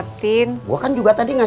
almatrop saya juga omosip mau mati